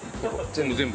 全部全部？